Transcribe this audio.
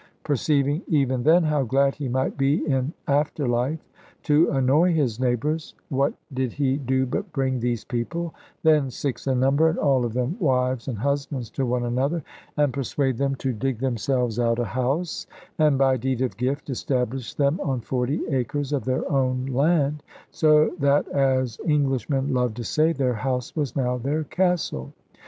Perceiving even then how glad he might be, in after life, to annoy his neighbours, what did he do but bring these people (then six in number, and all of them wives and husbands to one another) and persuade them to dig themselves out a house, and by deed of gift establish them on forty acres of their own land, so that, as Englishmen love to say, their house was now their castle.